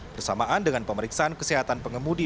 bersamaan dengan pemeriksaan kesehatan pengemudi